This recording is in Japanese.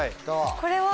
これは。